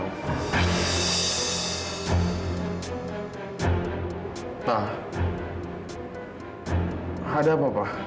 pak apa ada itu bapak